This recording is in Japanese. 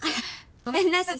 ごめんなさい。